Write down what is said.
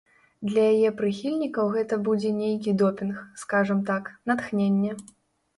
Для яе прыхільнікаў гэта будзе нейкі допінг, скажам так, натхненне.